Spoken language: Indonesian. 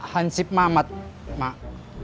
hansib mamat mak